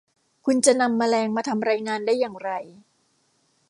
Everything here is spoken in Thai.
คุณจะนำแมลงมาทำรายงานได้อย่างไร